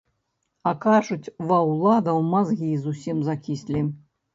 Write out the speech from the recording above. А кажуць, ва ўладаў мазгі зусім закіслі!